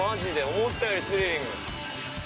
思ったよりスリリング。